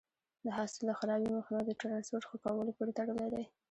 د حاصل د خرابي مخنیوی د ټرانسپورټ ښه کولو پورې تړلی دی.